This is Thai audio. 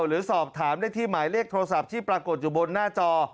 หรือสอบถามได้ที่หมายเลขโทรศัพท์ที่ปรากฏอยู่บนหน้าจอ